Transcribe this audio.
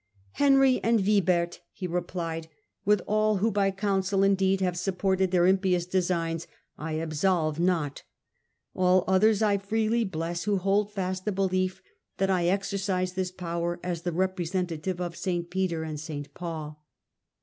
* Henry and Wibert,' he re plied, * with all who by counsel and deed have supported their impious designs, I absolve not ; all others I freely bless who hold fast the belief that I exercise this power as the representative of St. Peter and St. Paul.'